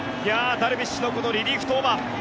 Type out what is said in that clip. ダルビッシュのリリーフ登板。